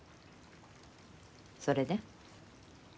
それで？